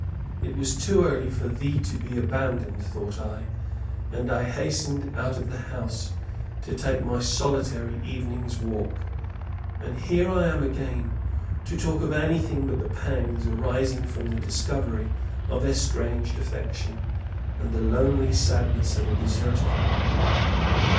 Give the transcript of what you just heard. It was too early for thee to be abandoned, thought I, and I hastened out of the house to take my solitary evening's walk. And here I am again to talk of anything but the pangs arising from the discovery of estranged affection and the lonely sadness of a deserted heart.